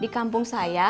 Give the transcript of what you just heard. di kampung saya ya